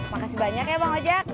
makasih banyak ya pak ojak